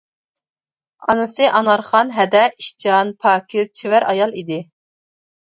ئانىسى ئانارخان ھەدە ئىشچان، پاكىز، چېۋەر ئايال ئىدى.